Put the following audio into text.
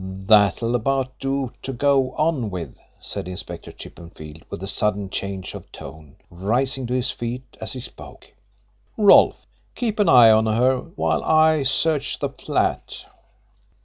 "That'll about do to go on with," said Inspector Chippenfield, with a sudden change of tone, rising to his feet as he spoke. "Rolfe, keep an eye on her while I search the flat."